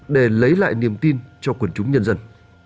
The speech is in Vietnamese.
để lấy lại niềm tin cho quần chúng nhân dân